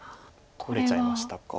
取れちゃいましたか。